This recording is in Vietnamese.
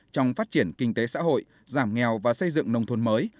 trong phát triển kinh tế xã hội giảm nghèo và xây dựng nông thôn mới